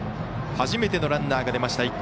初めてのランナーが出ました